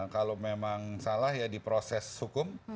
kalau memang salah ya diproses hukum